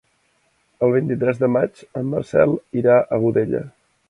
El vint-i-tres de maig en Marcel irà a Godella.